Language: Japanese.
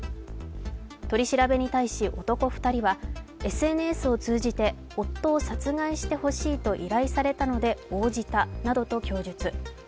取り調べに対し男２人はＳＮＳを通じて夫を殺害してほしいと依頼されたので応じたなどと供述。